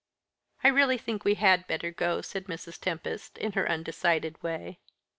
"I really think we had better go," said Mrs. Tempest, in her undecided way.